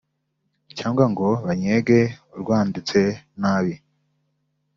cyangwa ngo bannyege urwanditse nabi